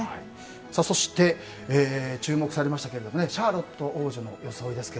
そして、注目されましたけどシャーロット王女の装い。